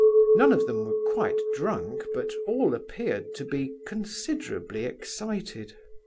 None of them were quite drunk, but all appeared to be considerably excited.